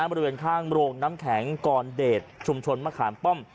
บริเวณข้างโรงน้ำแข็งกรเดชชุมชนมะขามป้อม